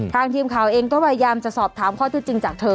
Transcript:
ทีมข่าวเองก็พยายามจะสอบถามข้อที่จริงจากเธอ